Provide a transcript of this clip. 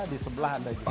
di sebelah ada juga